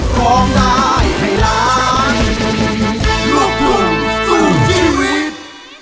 ของได้ให้รักลูกคุณสู้ชีวิต